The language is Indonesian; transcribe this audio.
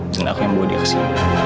dan aku yang bawa dia kesini